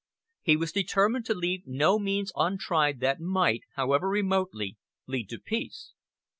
He was determined to leave no means untried that might, however remotely, lead to peace.